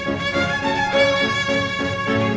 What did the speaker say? gimana kita akan menikmati rena